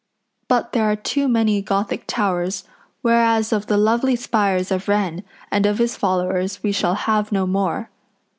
But there are too many Gothic towers; whereas of the lovely spires of Wren and of his followers we shall have no more.